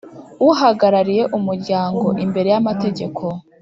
Uhagarariye Umuryango imbere y’amategeko